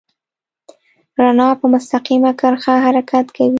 رڼا په مستقیمه کرښه حرکت کوي.